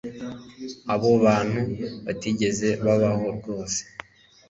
Aba bantu batigeze babaho rwose